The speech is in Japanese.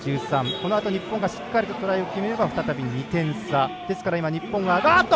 このあと日本がしっかりトライを決めれば、再び２点差。